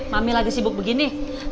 mami lagi sibuk begini